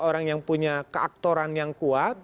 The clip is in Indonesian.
orang yang punya keaktoran yang kuat